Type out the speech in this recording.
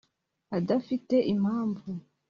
adafite impamvu